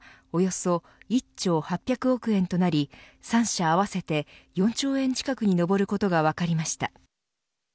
みずほフィナンシャルグループがおよそ１兆８００億円となり３社合わせて４兆円近くに上ることが分かりました。